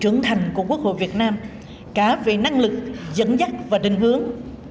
trưởng thành của quốc hội việt nam cả về năng lực dẫn dắt và định hướng